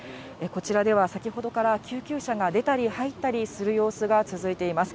こちらでは先ほどから、救急車が出たり入ったりする様子が続いています。